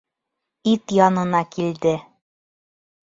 Ит янына килде.